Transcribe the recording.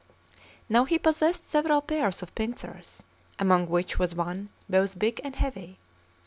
Now he possessed several pairs of pincers, among which was one both big and heavy.